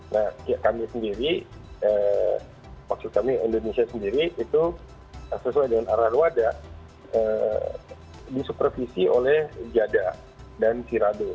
nah kami sendiri maksud kami indonesia sendiri itu sesuai dengan arah wada disupervisi oleh jada dan kirado